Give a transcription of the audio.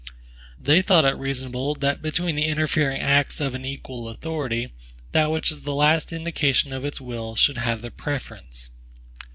They thought it reasonable, that between the interfering acts of an EQUAL authority, that which was the last indication of its will should have the preference.